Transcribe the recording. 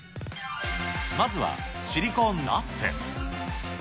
まずはシリコンラップ。